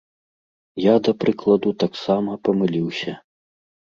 Я, да прыкладу, таксама памыліўся.